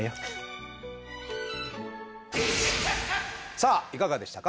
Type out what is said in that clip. さあいかがでしたか？